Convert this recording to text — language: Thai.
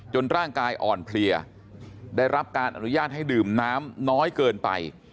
ร่างกายอ่อนเพลียได้รับการอนุญาตให้ดื่มน้ำน้อยเกินไป